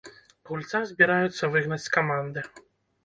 Гульца збіраюцца выгнаць з каманды.